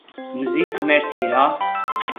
მზის ღმერთი რა.